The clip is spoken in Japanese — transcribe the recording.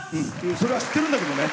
それは知ってるんだけどね。